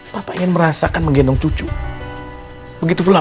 kalau kamu tuh sifatnya mendua